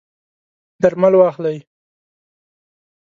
درمل واخلئ